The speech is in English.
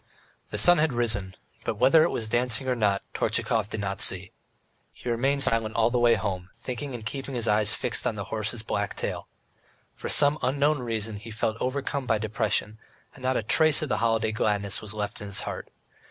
The sun had risen, but whether it was dancing or not Tortchakov did not see. He remained silent all the way home, thinking and keeping his eyes fixed on the horse's black tail. For some unknown reason he felt overcome by depression, and not a trace of the holiday gladness was left in his heart.